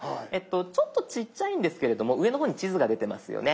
ちょっとちっちゃいんですけれども上の方に地図が出てますよね。